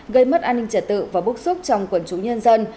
gây mất an ninh trật tự và bức xúc trong quần chúng nhân dân